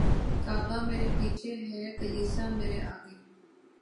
کعبہ مرے پیچھے ہے کلیسا مرے آگے